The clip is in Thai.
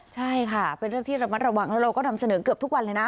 ใช่ค่ะเป็นเรื่องที่ระมัดระวังแล้วเราก็นำเสนอเกือบทุกวันเลยนะ